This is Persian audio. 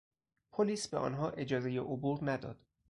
پلیس به آنها اجازهی عبور نداد.